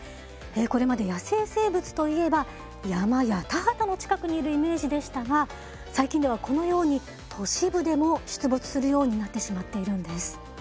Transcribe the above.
これまで野生生物といえば山や田畑の近くにいるイメージでしたが最近ではこのように都市部でも出没するようになってしまっているんです。